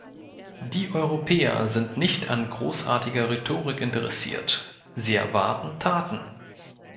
Die Europäer sind nicht an großartiger Rhetorik interessiert – sie erwarten Taten.